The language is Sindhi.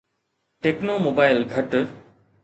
ٽيڪنو موبائيل گهٽ